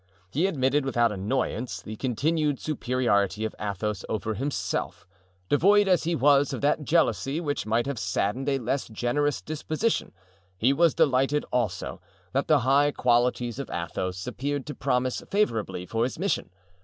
He admitted without annoyance the continued superiority of Athos over himself, devoid as he was of that jealousy which might have saddened a less generous disposition; he was delighted also that the high qualities of Athos appeared to promise favorably for his mission.